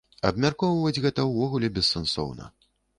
Абмяркоўваць гэта ўвогуле бессэнсоўна.